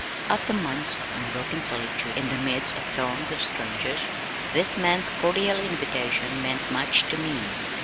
After months of unbroken solitude in the midst of throngs of strangers, this man's cordial invitation meant much to me.